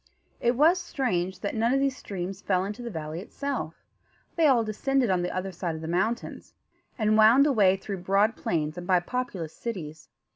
It was strange that none of these streams fell into the valley itself. They all descended on the other side of the mountains, and wound away through broad plains and by populous cities.